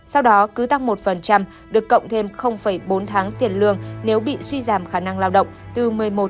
sau đó cứ tăng một được cộng thêm bốn tháng tiền lương nếu bị suy giảm khả năng lao động từ một mươi một một